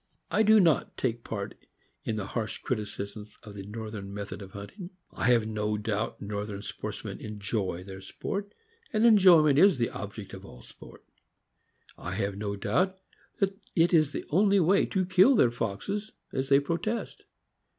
I do not take part in the harsh criticisms of the North ern method of hunting. I have no doubt Northern sports men enjoy their sport; and enjoyment is the object of all sport. I have no doubt that it is the only way to kill their foxes, as they protest.